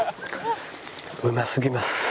うますぎます。